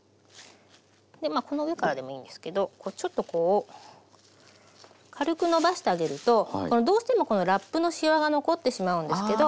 まあこの上からでもいいんですけどちょっとこう軽くのばしてあげるとこのどうしてもこのラップのしわが残ってしまうんですけど。